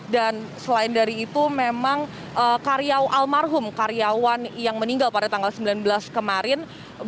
dan selain dari itu memang karyawan almarhum karyawan yang meninggal pada tanggal sembilan belas kemarin